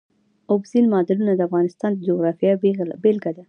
اوبزین معدنونه د افغانستان د جغرافیې بېلګه ده.